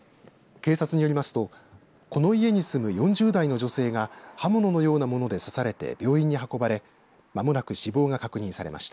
警察によりますとこの家に住む４０代の女性が刃物のようなもので刺されて病院に運ばれまもなく死亡が確認されました。